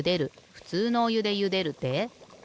ふつうのおゆでゆでるで。